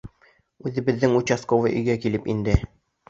Үҙебеҙҙең участковый өйгә килеп инде.